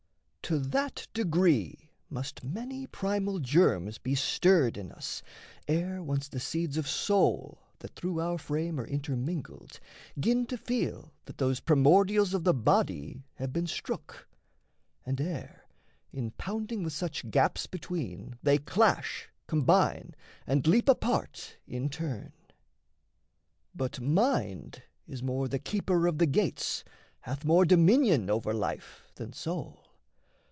To that degree Must many primal germs be stirred in us Ere once the seeds of soul that through our frame Are intermingled 'gin to feel that those Primordials of the body have been strook, And ere, in pounding with such gaps between, They clash, combine and leap apart in turn. But mind is more the keeper of the gates, Hath more dominion over life than soul.